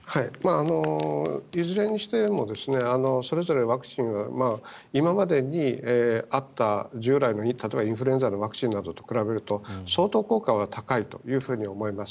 いずれにしてもそれぞれワクチンが今までにあった従来の例えば、インフルエンザのワクチンなどと比べると相当、効果は高いと思います。